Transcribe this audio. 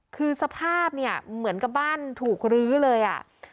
คือสภาพเนี่ยเหมือนกับบ้านถูกรื้อเลยอ่ะ